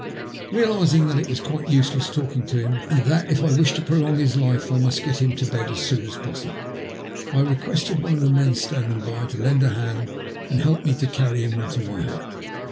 '*\ Realising that it was quite useless talking to him, and that if I wished to prolong his life I must get him to bed as soon as possible, I requested one of the men standing by to lend a hand and help me to carry him into my hut.